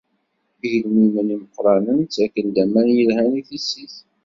Igelmimen Imeqqranen ttaken-d aman yelhan i tissit.